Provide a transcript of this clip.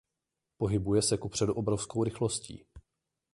Pohybuje se kupředu obrovskou rychlostí.